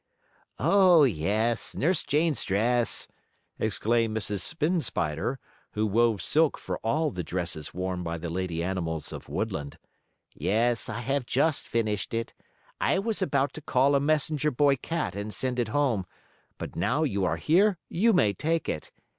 "Oh, yes, Nurse Jane's dress!" exclaimed Mrs. Spin Spider, who wove silk for all the dresses worn by the lady animals of Woodland. "Yes, I have just finished it. I was about to call a messenger boy cat and send it home, but now you are here you may take it.